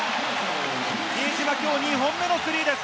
比江島、きょう２本目のスリーです。